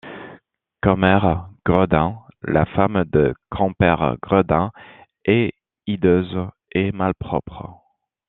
Commère Gredin, la femme de Compère Gredin, est hideuse et malpropre.